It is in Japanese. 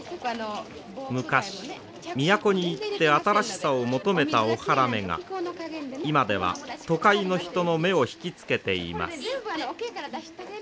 昔都に行って新しさを求めた大原女が今では都会の人の目を引き付けています。